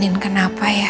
mbak andin kenapa ya